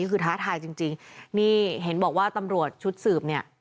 คือท้าทายจริงจริงนี่เห็นบอกว่าตำรวจชุดสืบเนี่ย